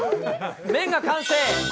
麺が完成。